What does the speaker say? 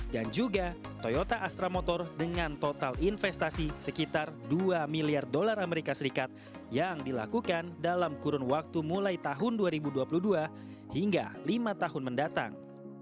dan juga toyota astra motor dengan total investasi sekitar dua miliar dolar as yang dilakukan dalam kurun waktu mulai tahun dua ribu dua puluh dua hingga lima tahun mendatang